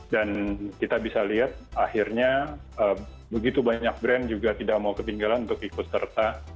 dan kita bisa lihat akhirnya begitu banyak brand juga tidak mau ketinggalan untuk ikut serta